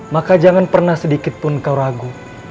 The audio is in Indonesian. maka jangan pernah sedikit pun kau ragu